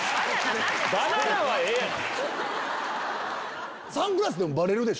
バナナはええやん！